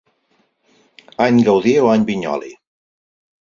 Any Gaudí o Any Vinyoli.